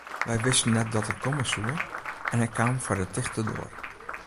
Wy wisten net dat er komme soe en hy kaam foar de tichte doar.